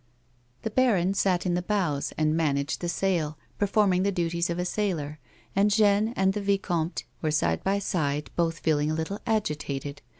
The baron sat in the bows and managed the sail, perform ing the duties of a sailor, and Jeanne and the vicomtewere side 0 A WO^NIAN'S LIFE. by side, both feeling a little agitated.